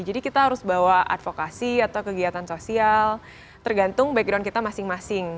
jadi kita harus bawa advokasi atau kegiatan sosial tergantung background kita masing masing